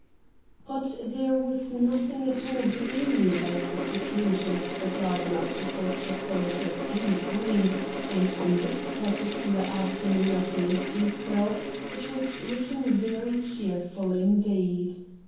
But there was nothing at all gloomy about the seclusion of the garden of the Culture College at any time, and on this particular afternoon of late April it was looking very cheerful indeed.